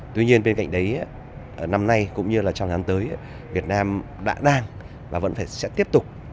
tuy nhiên bên cạnh đấy năm nay cũng như là trong tháng tới việt nam đã đang và vẫn phải sẽ tiếp tục